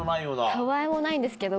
たわいもないんですけど。